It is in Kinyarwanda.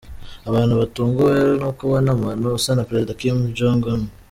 Abantu batunguwe no kubona umuntu usa na perezida Kim Jong Un.